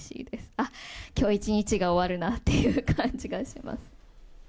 あっ、きょう一日が終わるなっていう感じがします。